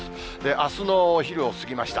あすのお昼を過ぎました。